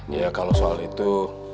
ya kalau soal itu